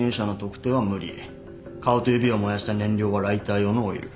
顔と指を燃やした燃料はライター用のオイル。